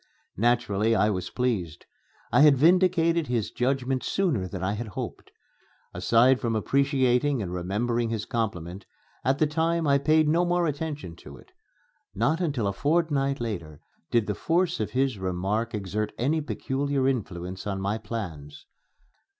Naturally I was pleased. I had vindicated his judgment sooner than I had hoped. Aside from appreciating and remembering his compliment, at the time I paid no more attention to it. Not until a fortnight later did the force of his remark exert any peculiar influence on my plans.